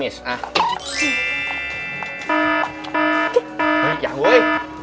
อีกอย่างเว้ย